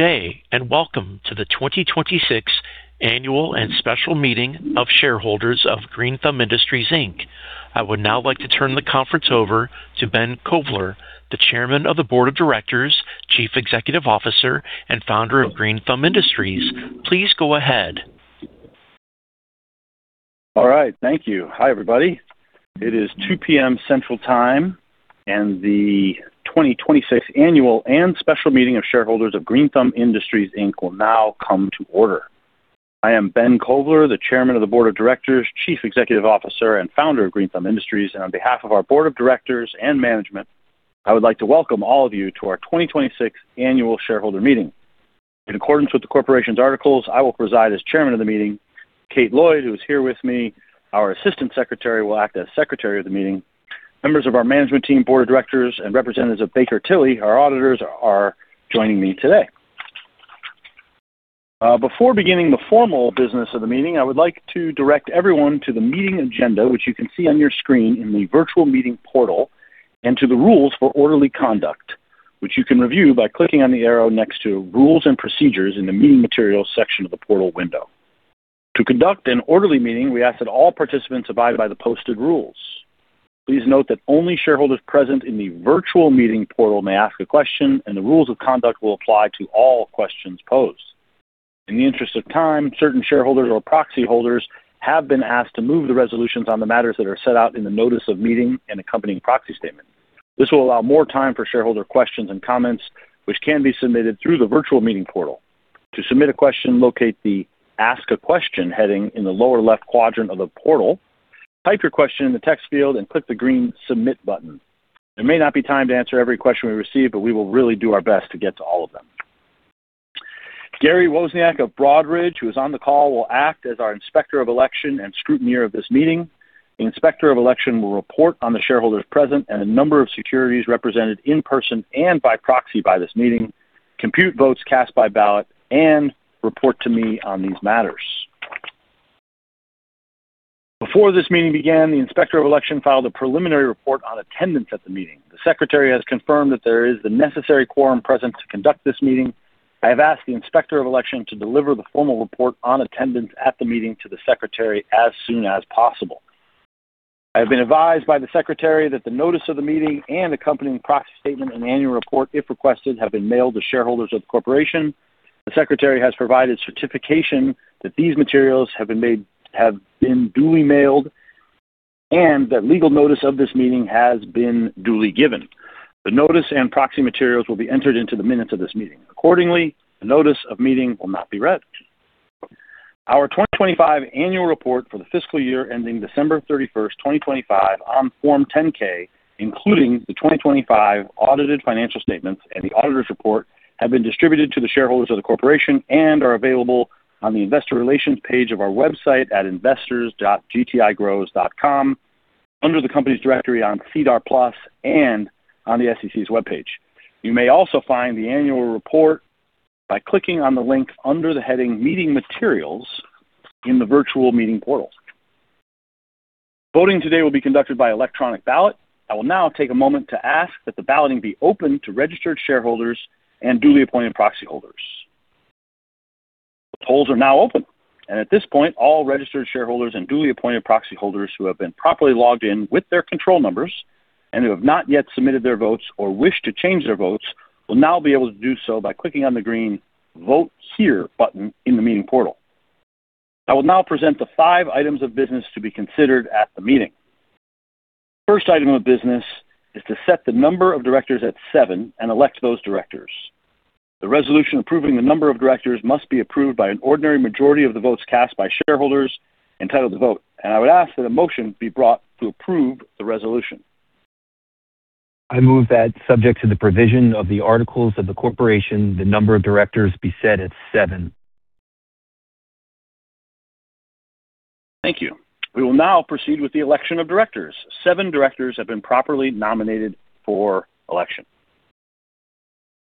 Good day. Welcome to the 2026 Annual and Special Meeting of Shareholders of Green Thumb Industries Inc. I would now like to turn the conference over to Ben Kovler, the Chairman of the Board of Directors, Chief Executive Officer, and Founder of Green Thumb Industries. Please go ahead. All right. Thank you. Hi, everybody. It is 2:00 P.M. Central Time. The 2026 Annual and Special Meeting of Shareholders of Green Thumb Industries Inc. will now come to order. I am Ben Kovler, the Chairman of the Board of Directors, Chief Executive Officer, and Founder of Green Thumb Industries. On behalf of our board of directors and management, I would like to welcome all of you to our 2026 Annual Shareholder Meeting. In accordance with the corporation's articles, I will preside as chairman of the meeting. Kate Lloyd, who is here with me, our assistant secretary, will act as secretary of the meeting. Members of our management team, board of directors, and representatives of Baker Tilly, our auditors, are joining me today. Before beginning the formal business of the meeting, I would like to direct everyone to the meeting agenda, which you can see on your screen in the virtual meeting portal, to the rules for orderly conduct, which you can review by clicking on the arrow next to Rules and Procedures in the Meeting Materials section of the portal window. To conduct an orderly meeting, we ask that all participants abide by the posted rules. Please note that only shareholders present in the virtual meeting portal may ask a question. The rules of conduct will apply to all questions posed. In the interest of time, certain shareholders or proxy holders have been asked to move the resolutions on the matters that are set out in the notice of meeting and accompanying proxy statement. This will allow more time for shareholder questions and comments, which can be submitted through the virtual meeting portal. To submit a question, locate the Ask a Question heading in the lower left quadrant of the portal, type your question in the text field, click the green Submit button. There may not be time to answer every question we receive. We will really do our best to get to all of them. Gary Wozniak of Broadridge, who is on the call, will act as our inspector of election and scrutineer of this meeting. The inspector of election will report on the shareholders present and the number of securities represented in person and by proxy by this meeting, compute votes cast by ballot, report to me on these matters. Before this meeting began, the inspector of election filed a preliminary report on attendance at the meeting. The secretary has confirmed that there is the necessary quorum present to conduct this meeting. I have asked the inspector of election to deliver the formal report on attendance at the meeting to the secretary as soon as possible. I have been advised by the secretary that the notice of the meeting and accompanying proxy statement and annual report, if requested, have been mailed to shareholders of the corporation. The secretary has provided certification that these materials have been duly mailed and that legal notice of this meeting has been duly given. The notice and proxy materials will be entered into the minutes of this meeting. Accordingly, the notice of meeting will not be read. Our 2025 annual report for the fiscal year ending December 31, 2025, on Form 10-K, including the 2025 audited financial statements and the auditor's report, have been distributed to the shareholders of the corporation and are available on the investor relations page of our website at investors.gtigrows.com, under the company's directory on SEDAR+, and on the SEC's webpage. You may also find the annual report by clicking on the link under the heading Meeting Materials in the virtual meeting portal. Voting today will be conducted by electronic ballot. I will now take a moment to ask that the balloting be opened to registered shareholders and duly appointed proxy holders. The polls are now open. At this point, all registered shareholders and duly appointed proxy holders who have been properly logged in with their control numbers and who have not yet submitted their votes or wish to change their votes, will now be able to do so by clicking on the green Vote Here button in the meeting portal. I will now present the five items of business to be considered at the meeting. The first item of business is to set the number of directors at seven and elect those directors. The resolution approving the number of directors must be approved by an ordinary majority of the votes cast by shareholders entitled to vote. I would ask that a motion be brought to approve the resolution. I move that subject to the provision of the articles of the corporation, the number of directors be set at seven. Thank you. We will now proceed with the election of directors. Seven directors have been properly nominated for election.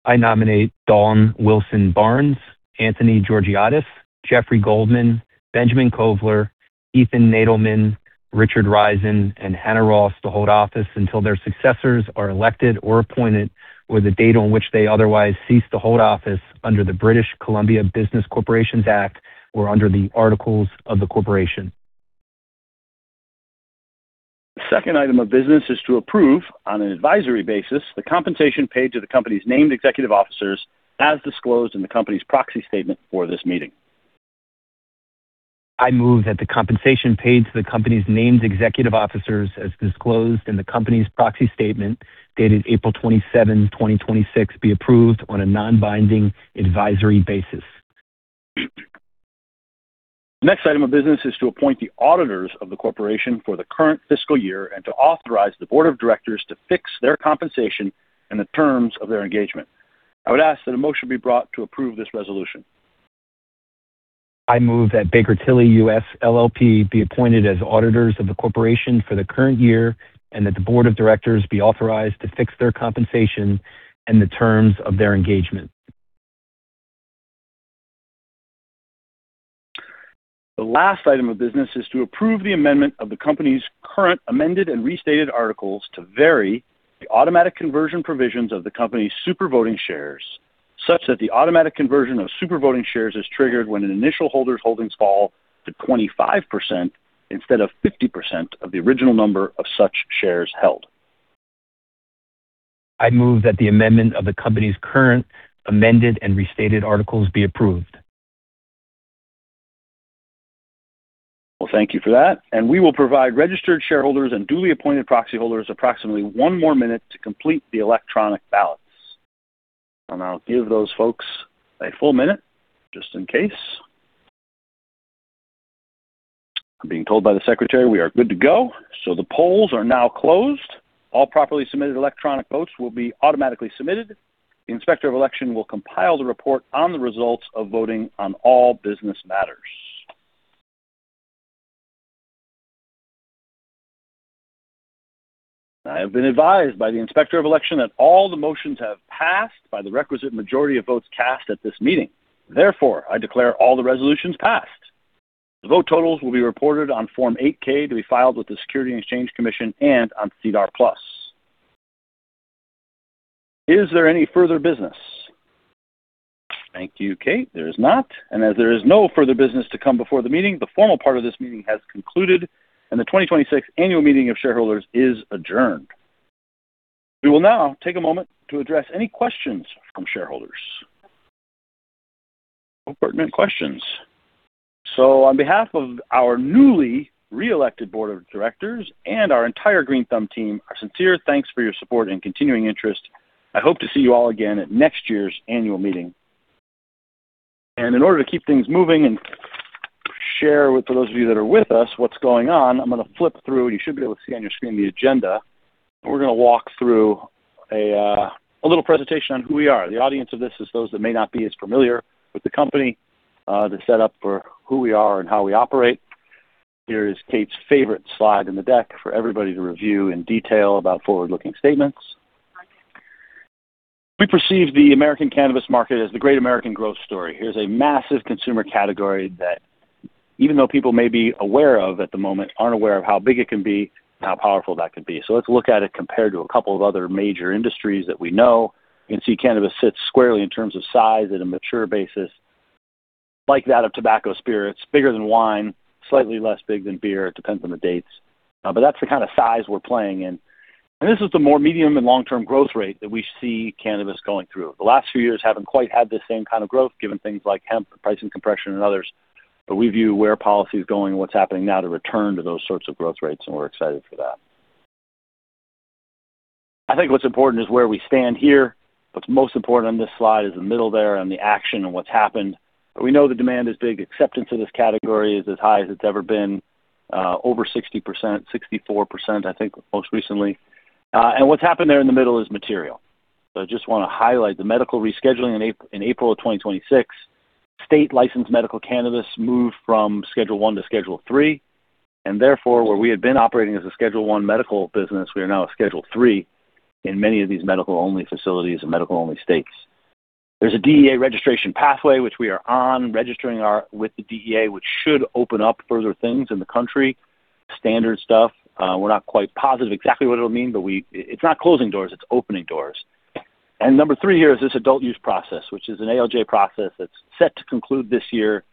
I nominate Dawn Wilson Barnes, Anthony Georgiadis, Jeff Goldman, Benjamin Kovler, Ethan Nadelmann, Richard Reisin, and Hannah Ross to hold office until their successors are elected or appointed, or the date on which they otherwise cease to hold office under the British Columbia Business Corporations Act or under the articles of the corporation. The second item of business is to approve, on an advisory basis, the compensation paid to the company's named executive officers as disclosed in the company's proxy statement for this meeting. I move that the compensation paid to the company's named executive officers, as disclosed in the company's proxy statement dated April 27, 2026, be approved on a non-binding advisory basis. The next item of business is to appoint the auditors of the corporation for the current fiscal year and to authorize the board of directors to fix their compensation and the terms of their engagement. I would ask that a motion be brought to approve this resolution. I move that Baker Tilly US, LLP be appointed as auditors of the corporation for the current year and that the board of directors be authorized to fix their compensation and the terms of their engagement. The last item of business is to approve the amendment of the company's current amended and restated articles to vary the automatic conversion provisions of the company's super-voting shares, such that the automatic conversion of super-voting shares is triggered when an initial holder's holdings fall to 25% instead of 50% of the original number of such shares held. I move that the amendment of the company's current amended and restated articles be approved. Well, thank you for that, we will provide registered shareholders and duly appointed proxy holders approximately one more minute to complete the electronic ballots. I'll give those folks a full minute just in case. I'm being told by the secretary we are good to go. The polls are now closed. All properly submitted electronic votes will be automatically submitted. The Inspector of Election will compile the report on the results of voting on all business matters. I have been advised by the Inspector of Election that all the motions have passed by the requisite majority of votes cast at this meeting. Therefore, I declare all the resolutions passed. The vote totals will be reported on Form 8-K to be filed with the Securities and Exchange Commission and on SEDAR+. Is there any further business? Thank you, Kate. There is not, as there is no further business to come before the meeting, the formal part of this meeting has concluded, and the 2026 Annual Meeting of Shareholders is adjourned. We will now take a moment to address any questions from shareholders. No pertinent questions. On behalf of our newly reelected board of directors and our entire Green Thumb team, our sincere thanks for your support and continuing interest. I hope to see you all again at next year's annual meeting. In order to keep things moving and share with those of you that are with us what's going on, I'm going to flip through, and you should be able to see on your screen the agenda. We're going to walk through a little presentation on who we are. The audience of this is those that may not be as familiar with the company, the set up for who we are and how we operate. Here is Kate's favorite slide in the deck for everybody to review in detail about forward-looking statements. We perceive the American cannabis market as the great American growth story. Here's a massive consumer category that even though people may be aware of at the moment, aren't aware of how big it can be and how powerful that could be. Let's look at it compared to a couple of other major industries that we know. You can see cannabis sits squarely in terms of size at a mature basis like that of tobacco spirits, bigger than wine, slightly less big than beer. It depends on the dates. That's the kind of size we're playing in. This is the more medium and long-term growth rate that we see cannabis going through. The last few years haven't quite had the same kind of growth, given things like hemp, pricing compression, and others. We view where policy is going and what's happening now to return to those sorts of growth rates, and we're excited for that. I think what's important is where we stand here. What's most important on this slide is the middle there and the action and what's happened. We know the demand is big. Acceptance of this category is as high as it's ever been. Over 60%, 64%, I think, most recently. What's happened there in the middle is material. I just want to highlight the medical rescheduling in April of 2026. State licensed medical cannabis moved from Schedule I to Schedule III, and therefore, where we had been operating as a Schedule I medical business, we are now a Schedule III in many of these medical-only facilities and medical-only states. There's a DEA registration pathway, which we are on, registering with the DEA, which should open up further things in the country. Standard stuff. We're not quite positive exactly what it'll mean, but it's not closing doors, it's opening doors. Number three here is this adult use process, which is an ALJ process that's set to conclude this year.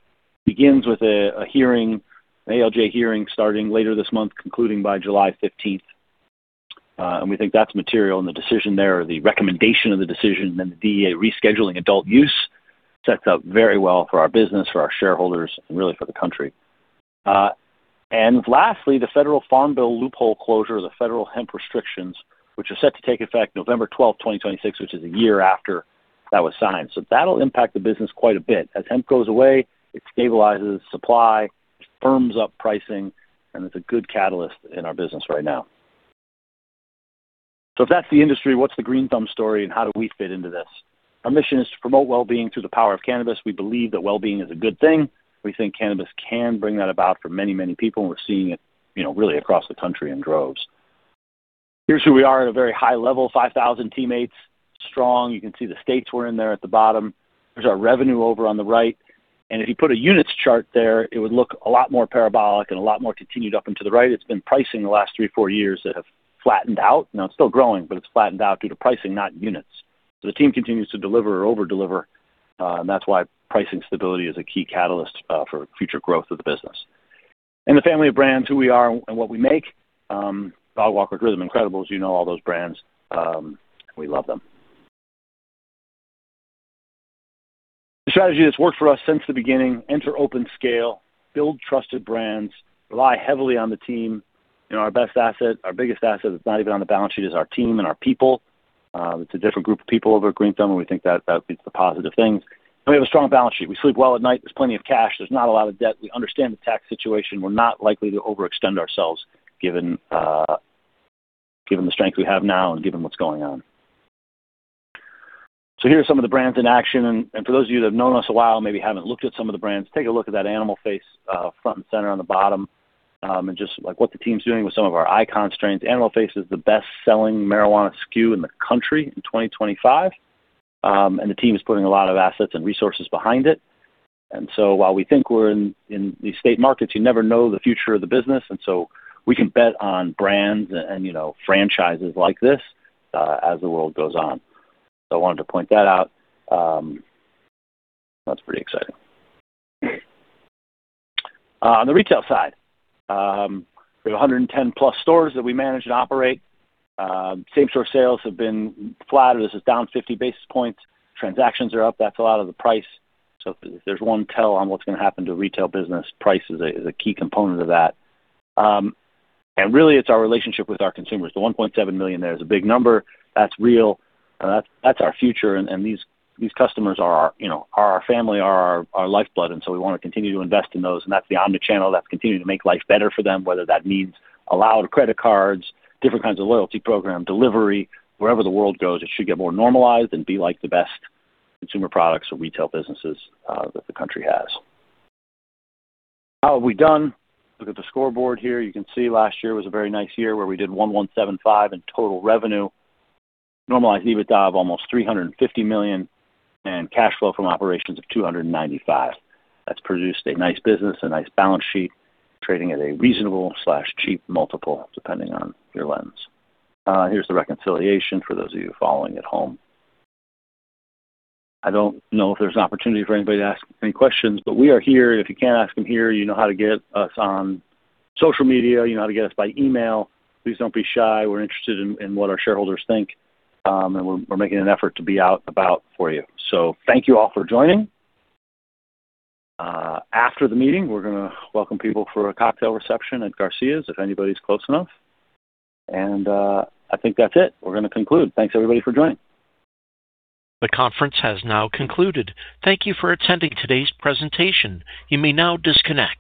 Begins with a hearing, an ALJ hearing starting later this month, concluding by July 15th 2026. We think that's material, and the decision there, the recommendation of the decision, then the DEA rescheduling adult use sets up very well for our business, for our shareholders, and really for the country. Lastly, the Federal Farm Bill loophole closure, the federal hemp restrictions, which are set to take effect November 12th, 2026, which is a year after that was signed. That'll impact the business quite a bit. As hemp goes away, it stabilizes supply, firms up pricing, and it's a good catalyst in our business right now. If that's the industry, what's the Green Thumb story and how do we fit into this? Our mission is to promote well-being through the power of cannabis. We believe that well-being is a good thing. We think cannabis can bring that about for many, many people, and we're seeing it really across the country in droves. Here's who we are at a very high level, 5,000 teammates strong. You can see the states we're in there at the bottom. There's our revenue over on the right. If you put a units chart there, it would look a lot more parabolic and a lot more continued up and to the right. It's been pricing the last three, four years that have flattened out. Now it's still growing, but it's flattened out due to pricing, not units. The team continues to deliver or over-deliver, and that's why pricing stability is a key catalyst for future growth of the business. In the family of brands, who we are and what we make. Dogwalkers, RYTHM, and incredibles, you know all those brands. We love them. The strategy that's worked for us since the beginning, enter open scale, build trusted brands, rely heavily on the team. Our best asset, our biggest asset that's not even on the balance sheet is our team and our people. It's a different group of people over at Green Thumb, and we think that leads to positive things. We have a strong balance sheet. We sleep well at night. There's plenty of cash. There's not a lot of debt. We understand the tax situation. We're not likely to overextend ourselves given the strength we have now and given what's going on. Here are some of the brands in action, and for those of you that have known us a while, maybe haven't looked at some of the brands, take a look at that Animal Face front and center on the bottom, and just what the team's doing with some of our icon strengths. Animal Face is the best-selling marijuana SKU in the country in 2025. The team is putting a lot of assets and resources behind it. While we think we're in these state markets, you never know the future of the business, we can bet on brands and franchises like this as the world goes on. I wanted to point that out. That's pretty exciting. On the retail side, we have 110 plus stores that we manage and operate. Same-store sales have been flat, or this is down 50 basis points. Transactions are up. That's a lot of the price. If there's one tell on what's going to happen to retail business, price is a key component of that. Really, it's our relationship with our consumers. The $1.7 million there is a big number. That's real. That's our future, and these customers are our family, are our lifeblood, we want to continue to invest in those, and that's the omni-channel that's continuing to make life better for them, whether that means allow the credit cards, different kinds of loyalty program, delivery, wherever the world goes, it should get more normalized and be like the best consumer products or retail businesses that the country has. How have we done? Look at the scoreboard here. You can see last year was a very nice year where we did $1,175 million in total revenue, normalized EBITDA of almost $350 million, and cash flow from operations of $295 million. That's produced a nice business, a nice balance sheet, trading at a reasonable/cheap multiple, depending on your lens. Here's the reconciliation for those of you following at home. I don't know if there's an opportunity for anybody to ask any questions, but we are here. If you can't ask them here, you know how to get us on social media, you know how to get us by email. Please don't be shy. We're interested in what our shareholders think. We're making an effort to be out about for you. Thank you all for joining. After the meeting, we're going to welcome people for a cocktail reception at Garcia's, if anybody's close enough. I think that's it. We're going to conclude. Thanks, everybody, for joining. The conference has now concluded. Thank you for attending today's presentation. You may now disconnect.